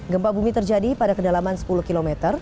gempa bumi terjadi pada kedalaman sepuluh km